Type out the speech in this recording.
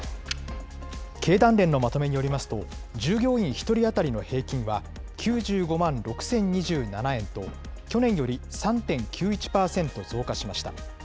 経団連のまとめによりますと、従業員１人当たりの平均は９５万６０２７円と、去年より３．９１％増加しました。